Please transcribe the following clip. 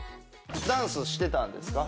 ダンスしてたんですか？